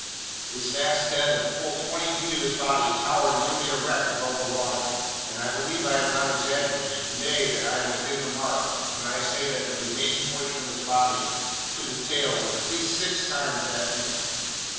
His vast head and fully twenty feet of his body towered nearly erect above the water, and I believe I am not exaggerating, nay, that I am within the mark, when I say that the remaining portion of his body, to the tail, was at least six times that length.